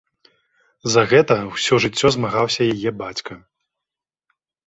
За гэта ўсё жыццё змагаўся яе бацька.